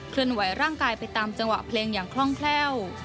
เลื่อนไหวร่างกายไปตามจังหวะเพลงอย่างคล่องแคล่ว